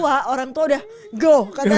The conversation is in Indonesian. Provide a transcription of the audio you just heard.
karena orang tua udah go